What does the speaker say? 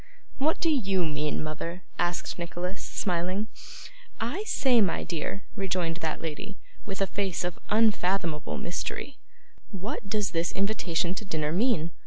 'What do YOU mean, mother?' asked Nicholas, smiling. 'I say, my dear,' rejoined that lady, with a face of unfathomable mystery, 'what does this invitation to dinner mean?